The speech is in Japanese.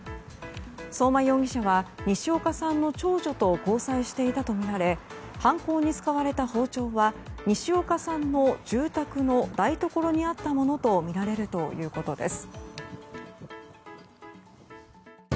相馬容疑者は西岡さんの長女と交際していたとみられ犯行に使われた包丁は西岡さんの住宅の台所にあったものとみられるということです。